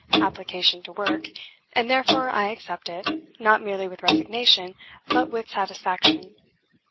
application to work, and therefore I accept it, not merely with resignation, but with satisfaction.